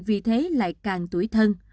vì thế lại càng tuổi thân